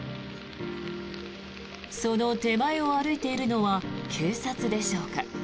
その手前を歩いているのは警察でしょうか。